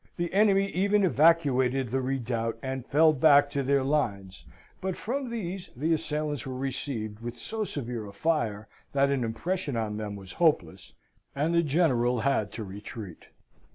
The enemy even evacuated the redoubt and fell back to their lines; but from these the assailants were received with so severe a fire that an impression on them was hopeless, and the General had to retreat.